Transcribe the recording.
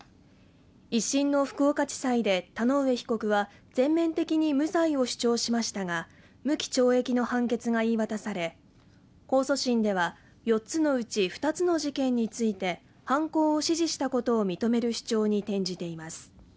１審の福岡地裁で田上被告は全面的に無罪を主張しましたが無期懲役の判決が言い渡され控訴審では４つのうち２つの事件について犯行を指示したことを認める主張に転じています